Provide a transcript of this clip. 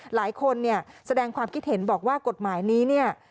หลายคนเนี่ยแสดงความคิดเห็นบอกว่ากฎหมายนี้เนี่ย